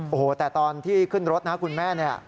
โอ้โหแต่ตอนที่ขึ้นรถนะคุณแม่เนี่ย